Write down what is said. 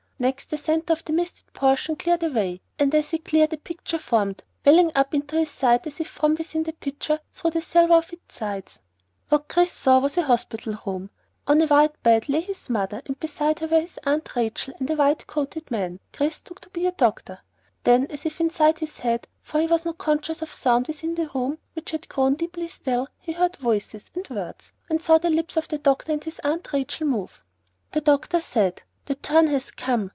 Next, the center of the misted portion cleared away, and as it cleared a picture formed, welling up into his sight as if from within the pitcher through the silver of its sides. What Chris saw was a hospital room. On a white bed lay his mother, and beside her were his Aunt Rachel and a white coated man Chris took to be a doctor. Then, as if inside his head, for he was not conscious of sound within the room which had grown deeply still, he heard voices and words, and saw the lips of the doctor and his Aunt Rachel move. The doctor said, "The turn has come.